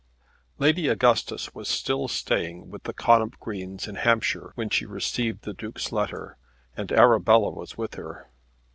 Lady Augustus was still staying with the Connop Greens in Hampshire when she received the Duke's letter and Arabella was with her.